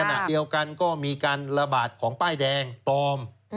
ขณะเดียวกันก็มีการระบาดของป้ายแดงปลอม